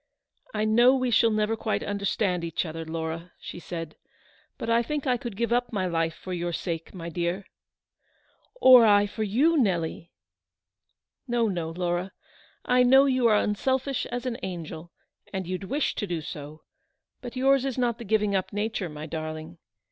" I know we shall never quite understand each other, Laura," she said; " but I think I could give up my life for your sake, my dear." " Or I for you, Nelly." " No, no, Laura. I know you are unselfish as an angel, and you'd wish to do so ; but yours is not the giving up nature, my darling.